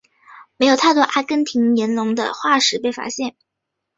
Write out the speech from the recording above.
没有太多阿根廷龙的化石被发现。